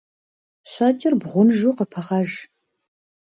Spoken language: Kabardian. Щэкӏыр бгъунжу къыпыгъэж.